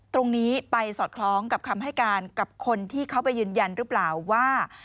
ตรงนี้ไปสอดคล้องกับคำให้การกับคนที่เขาไปยืนยันหรือเปล่าว่า